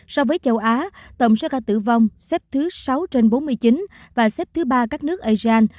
so với châu á tổng số ca tử vong xếp thứ sáu trên bốn mươi chín và xếp thứ ba các nước asean